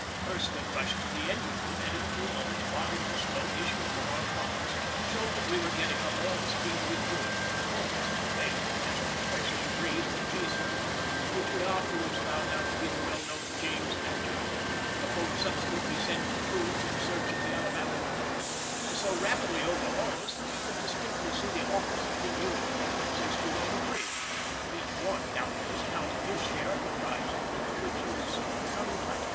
Erskine rushed to the engine room, and in a few moments volumes of smoke issuing from our funnels showed that we were getting up all the steam we could—almost too late, as with the freshening breeze the chaser (which we afterwards found out to be the well known James Adger, a boat subsequently sent to cruise in search of the Alabama) so rapidly overhauled us that we could distinctly see the officers in uniform as they stood on the bridge; each one, doubtless, counting his share of the prize money to which he would soon become entitled.